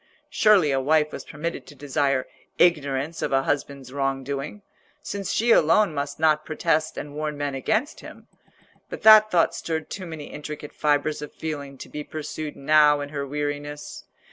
Surely a wife was permitted to desire ignorance of a husband's wrong doing, since she alone must not protest and warn men against him. But that thought stirred too many intricate fibres of feeling to be pursued now in her weariness.